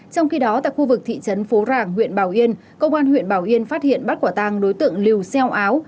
trong khi đó tại khu vực thị trấn phố ràng huyện bảo yên công an huyện bảo yên phát hiện bắt quả tàng đối tượng liều xeo áo